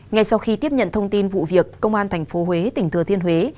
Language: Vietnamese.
ngay sau khi tiếp nhận thông tin vụ việc công an tp huế tỉnh thừa thiên huế